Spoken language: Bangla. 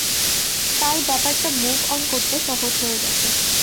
তাই ব্যাপারটা মুভ-অন করতে সহজ হয়ে গেছে।